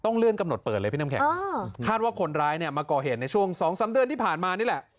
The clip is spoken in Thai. เลื่อนกำหนดเปิดเลยพี่น้ำแข็งคาดว่าคนร้ายเนี่ยมาก่อเหตุในช่วง๒๓เดือนที่ผ่านมานี่แหละ